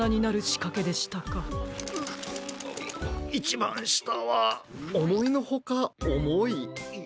んっんっいちばんしたはおもいのほかおもい。